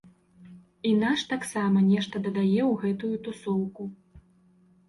І наш таксама нешта дадае ў гэтую тусоўку.